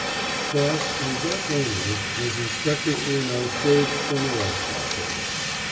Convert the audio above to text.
Thus, and thus only, was Inspector Furneaux saved from arrest that day.